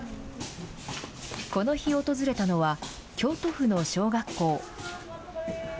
この日訪れたのは、京都府の小学校。